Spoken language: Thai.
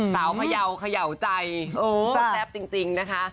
พยาวเขย่าใจก็แซ่บจริงนะคะ